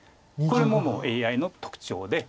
これもＡＩの特徴で。